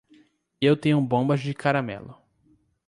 Eu tenho bombas de caramelo.